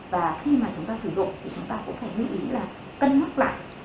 và khi mà chúng ta sử dụng thì chúng ta cũng phải lưu ý là cân nhắc lại